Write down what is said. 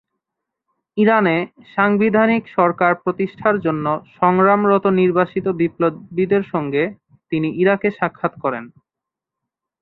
ইরানে সাংবিধানিক সরকার প্রতিষ্ঠার জন্য সংগ্রামরত নির্বাসিত বিপ্লবীদের সঙ্গে তিনি ইরাকে সাক্ষাৎ করেন।